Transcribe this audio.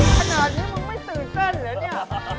ขนาดนี้มึงไม่ตื่นเต้นเหรอเนี่ย